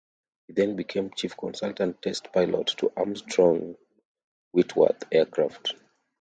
He then became chief consultant test pilot to Armstrong Whitworth Aircraft.